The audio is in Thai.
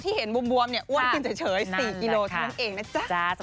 ที่เห็นบวมเนี่ยอ้วนขึ้นเฉย๔กิโลกรัมเองนะจ๊ะ